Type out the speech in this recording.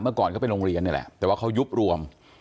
ก่อนเขาไปโรงเรียนนี่แหละแต่ว่าเขายุบรวม